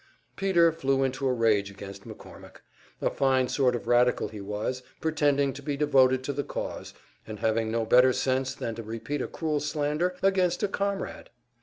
Peter flew into a rage against McCormick; a fine sort of radical he was, pretending to be devoted to the cause, and having no better sense than to repeat a cruel slander against a comrade!